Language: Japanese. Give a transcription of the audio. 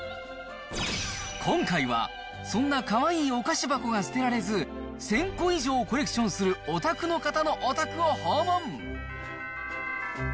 今回はそんなかわいいお菓子箱が捨てられず、１０００個以上コレクションするオタクの方のお宅を訪問。